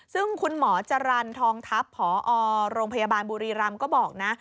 ซึ่งคุณหมอจรรย์ทองทัพผอโรงพยาบาลบุรีรำก็บอกนะ